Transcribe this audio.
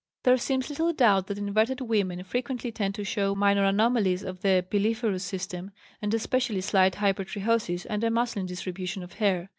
There seems little doubt that inverted women frequently tend to show minor anomalies of the piliferous system, and especially slight hypertrichosis and a masculine distribution of hair.